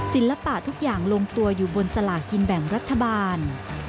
ศิลปะทุกอย่างลงตัวอยู่บนสลากินแบ่งรัฐบาล